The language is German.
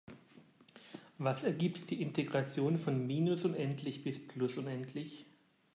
Was ergibt die Integration von minus unendlich bis plus unendlich?